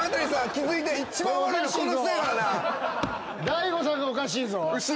大悟さんがおかしいぞ。